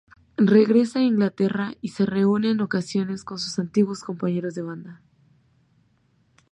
Regresa a Inglaterra y se reúne en ocasiones con sus antiguos compañeros de banda.